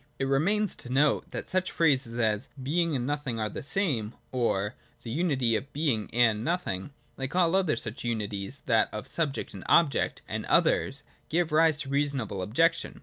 (4) It remains to note that such phrases as ' Being and Nothing are the same,' or ' The unity of Being and Nothing' — like all other such unities, that of subject and object, and others — give rise to reasonable objec tion.